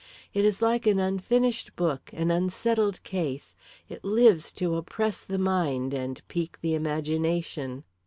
It is like an unfinished book, an unsettled case it lives to oppress the mind and pique the imagination.